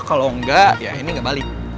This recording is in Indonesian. kalau enggak ya ini nggak balik